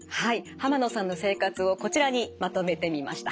濱野さんの生活をこちらにまとめてみました。